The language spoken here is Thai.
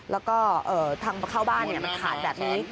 แล้วก็ทางเข้าบ้านมันขาดแบบนี้